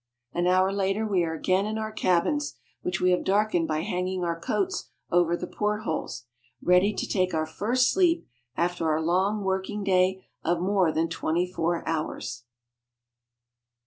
An hour later we are again in our cabins, which we have darkened by hanging our coats over the port holes, ready to take our first sleep after our long working day of more than twenty four hours.